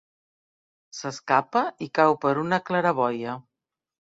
S'escapa i cau per una claraboia.